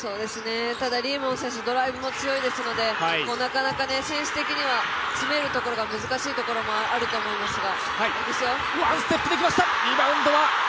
ただ李夢選手、ドライブも強いですのでなかなか選手的には詰めるところが難しいところもあると思いますが。